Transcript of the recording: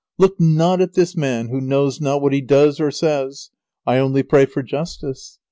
Look not at this man who knows not what he does or says. I only pray for justice.